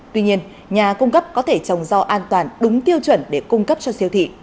tuy nhiên nhà cung cấp có thể trồng rau an toàn đúng tiêu chuẩn để cung cấp cho siêu thị